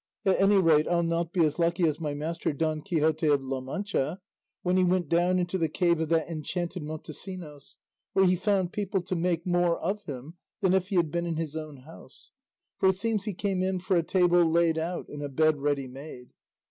At any rate I'll not be as lucky as my master Don Quixote of La Mancha, when he went down into the cave of that enchanted Montesinos, where he found people to make more of him than if he had been in his own house; for it seems he came in for a table laid out and a bed ready made.